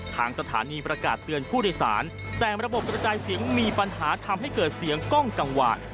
ทางสถานีประกาศเตือนผู้โดยสารแต่ระบบกระจายเสียงมีปัญหาทำให้เกิดเสียงกล้องกังวาน